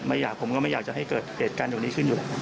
ผมก็ไม่อยากจะให้เกิดเกดการดูนี้ขึ้นอยู่